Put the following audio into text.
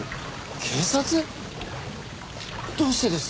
警察⁉どうしてです？